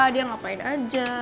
dia ngapain aja